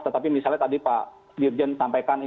tetapi misalnya tadi pak dirjen sampaikan